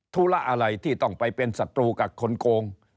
ธุระอะไรที่ต้องไปเป็นศัตรูกับคนโกง